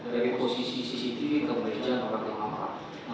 dari posisi cctv ke meja tempat yang lampar